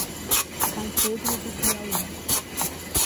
São Pedro do Piauí